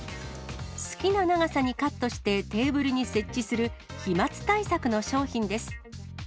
好きな長さにカットしてテーブルに設置する、飛まつ対策の商品です。